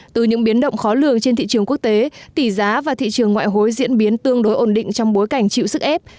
từ những biến động khó lường trên thị trường quốc tế tỷ giá và thị trường ngoại hối diễn biến tương đối ổn định trong bối cảnh chịu sức ép